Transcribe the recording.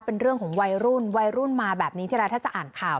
เป็นเรื่องของวัยรุ่นวัยรุ่นมาแบบนี้ทีแรกถ้าจะอ่านข่าว